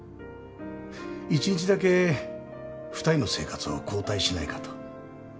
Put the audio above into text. １日だけ２人の生活を交代しないかと。